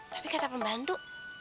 tapi kata pembantu